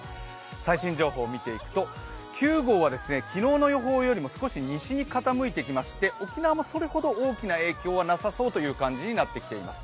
最新情報を見ていくと９号は昨日の予報よりも少し西に傾いてきまして沖縄はそれほど大きな影響はなさそうという感じになってきています。